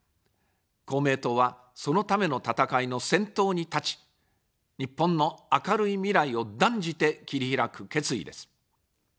公明党は、そのための闘いの先頭に立ち、日本の明るい未来を断じて切り開く決意です。